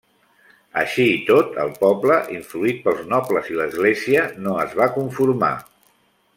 Així i tot el poble, influït pels nobles i l'església, no es va conformar.